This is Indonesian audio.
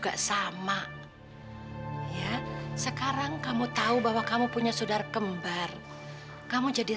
belakang kamu kan antoni bukan dia